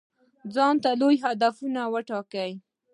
ځانته لوی هدفونه وټاکئ.